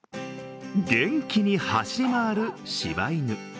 元気に走り回るしば犬。